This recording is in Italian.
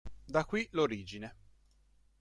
Da qui l'origine.